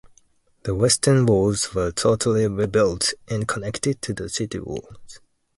The western walls were totally rebuilt and connected to the city walls.